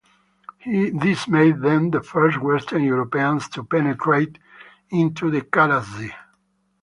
This made them the first Western Europeans to penetrate into the Kara Sea.